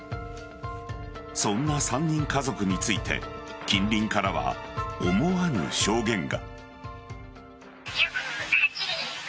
そんな３人家族について近隣からは思わぬ証言が。